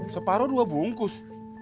separoh dua bungkus